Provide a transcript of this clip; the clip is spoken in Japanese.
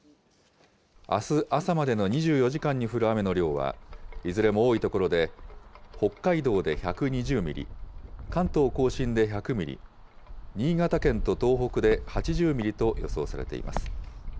あす朝までの２４時間に降る雨の量は、いずれも多い所で、北海道で１２０ミリ、関東甲信で１００ミリ、新潟県と東北で８０ミリと予想されています。